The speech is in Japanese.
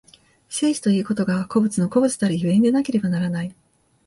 生死ということが個物の個物たる所以でなければならない。